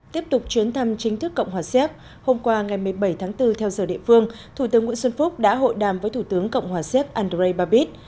tiếp tục chuyến thăm chính thức cộng hòa xéc hôm qua ngày một mươi bảy tháng bốn theo giờ địa phương thủ tướng nguyễn xuân phúc đã hội đàm với thủ tướng cộng hòa xếp andrei babis